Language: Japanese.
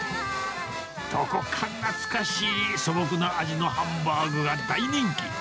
どこか懐かしい素朴な味のハンバーグが大人気。